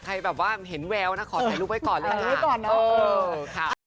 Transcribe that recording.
เพราะฉะนั้นแหลนักโลตแม่น๊อค